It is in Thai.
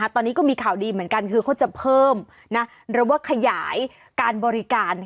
ตอนนี้ก็มีข่าวดีเหมือนกันคือเขาจะเพิ่มหรือว่าขยายการบริการ